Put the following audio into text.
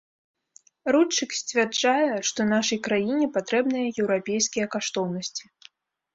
Рудчык сцвярджае, што нашай краіне патрэбныя еўрапейскія каштоўнасці.